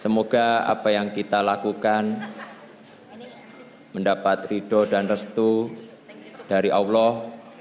semoga apa yang kita lakukan mendapat ridho dan restu dari allah